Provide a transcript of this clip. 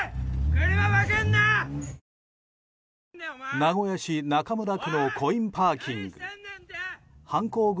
名古屋市中村区のコインパーキング。